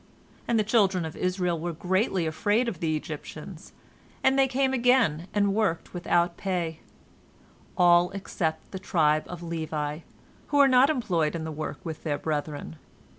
And the children of Israel were greatly afraid of the Egyptians, and they came again and worked without pay, all except the tribe of Levi, who were not employed in the work with their brethren.